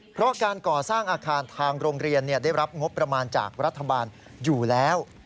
เพราะการก่อสร้างอาคารทางโรงเรียนได้รับงบประมาณจากรัฐบาลอยู่แล้ว